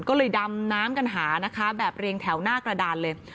ก็เลยดำน้ำกันหานะคะแบบเรียงแถวหน้ากระดานเลย